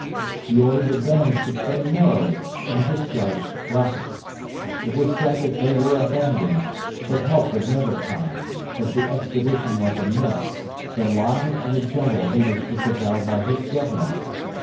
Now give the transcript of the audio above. He ordered the bands to play merrily and discharged rockets. It was said that they were abandoned, that help would never come, that the expedition was a myth the lie of a General who was disavowed by his Government.